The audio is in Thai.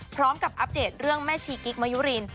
พร้อมกับอัปเดตเรื่องแม่ชีกิ๊กมยุริน